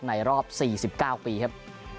ในรอบ๔๙ปีครับ